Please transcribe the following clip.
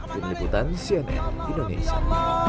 dengan liputan cnn indonesia